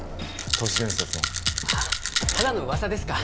都市伝説のあっただの噂ですか